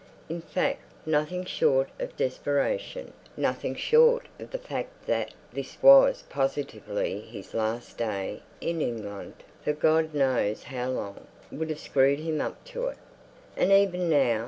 In fact, nothing short of desperation, nothing short of the fact that this was positively his last day in England for God knows how long, would have screwed him up to it. And even now....